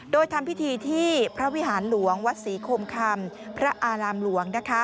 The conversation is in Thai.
โดยทำพิธีที่พระวิหารหลวงวัดศรีคมคำพระอารามหลวง